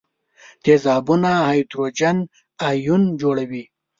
تیزابونه هایدروجن ایون جوړوي.